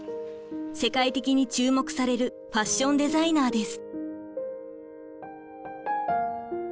世界的に注目されるファッションデザイナーです。